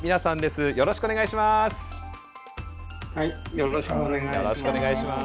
よろしくお願いします。